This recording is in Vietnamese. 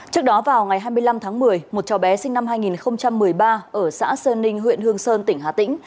trước đó vào ngày hai mươi năm tháng một mươi một cháu bé sinh năm hai nghìn một mươi ba ở xã sơn ninh huyện hương sơn tỉnh hà tĩnh